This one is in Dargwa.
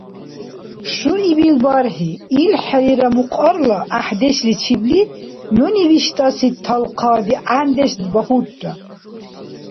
Шуибил бархӀи, илхӀелира мукьарла гӀяхӀдешличибли, нуни виштӀаси талхъа дигӀяндеш багьурра.